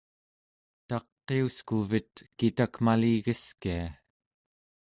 taqiuskuvet kitak maligeskia